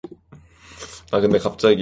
넌 날 배신했어.